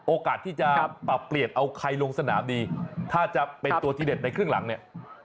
โอกาสที่จะปรับเปลี่ยนเอาใครลงสนามดีถ้าจะเป็นตัวที่เด็ดในครึ่งหลังเนี่ย